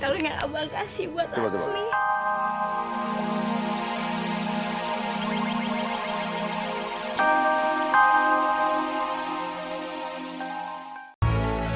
kalung yang abang kasih buat raksmi